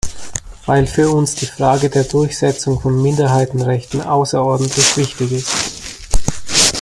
Weil für uns die Frage der Durchsetzung von Minderheitenrechten außerordentlich wichtig ist.